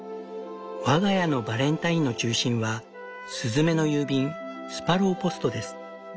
「我が家のバレンタインの中心はスズメの郵便スパローポストです。